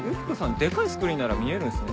デカいスクリーンなら見えるんすね。